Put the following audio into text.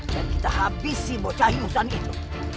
dan kita habisi bocah ingusan itu